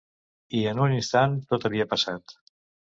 I en un instant, tot havia passat.